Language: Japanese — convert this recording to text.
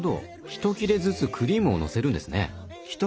ひと切れずつクリームをのせるんですね。